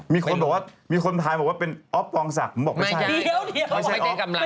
มีคนบอกว่ามีคนถ่ายบอกว่าเป็นออฟวองศักดิ์ผมบอกว่าไม่ใช่